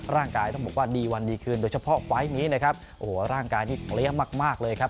ร่างกายต้องบอกว่าดีวันดีคืนโดยเฉพาะไฟล์นี้นะครับโอ้โหร่างกายนี่เกลี้ยงมากมากเลยครับ